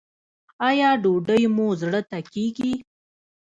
ایا ډوډۍ مو زړه ته کیږي؟